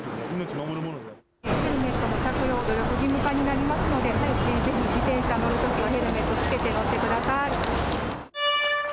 ヘルメットの着用、努力義務化になりますので、ぜひ自転車に乗るときはヘルメットを着用して乗ってください。